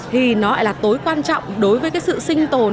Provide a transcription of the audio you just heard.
thì nó lại là tối quan trọng đối với cái sự sinh tồn